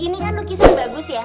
ini kan lukisan bagus ya